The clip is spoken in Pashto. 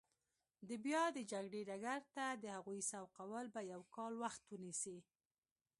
د بیا د جګړې ډګر ته د هغوی سوقول به یو کال وخت ونیسي.